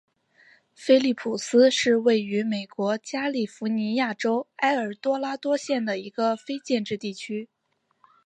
菲利普斯是位于美国加利福尼亚州埃尔多拉多县的一个非建制地区。